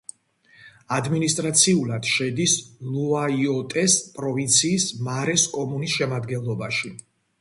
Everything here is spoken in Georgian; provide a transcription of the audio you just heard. ადმინისტრაციულად შედის ლუაიოტეს პროვინციის მარეს კომუნის შემადგენლობაში.